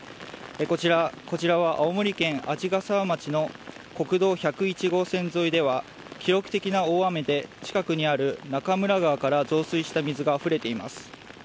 こちらは青森県鰺ヶ沢町の国道１１１号線沿いでは記録的な大雨で近くにある中村川から増水した水があふれています。